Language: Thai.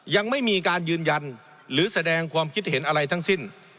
ยังไม่มีการยืนยันหรือแสดงความคิดเห็นอะไรทั้งสิ้น